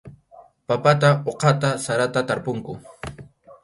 Papata uqata sarata tarpunku.